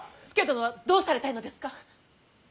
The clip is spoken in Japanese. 佐殿はどうされたいのですか。